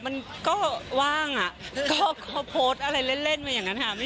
มันก็ว่างอ่ะก็เขาโพสต์อะไรเล่นมาอย่างนั้นค่ะ